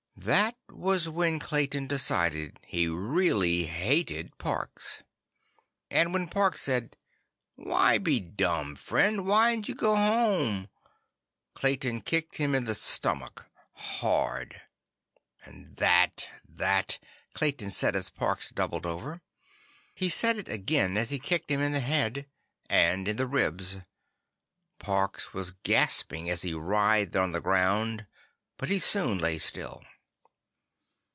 That was when Clayton decided he really hated Parks. And when Parks said: "Why be dumb, friend? Whyn't you go home?" Clayton kicked him in the stomach, hard. "And that, that—" Clayton said as Parks doubled over. He said it again as he kicked him in the head. And in the ribs. Parks was gasping as he writhed on the ground, but he soon lay still.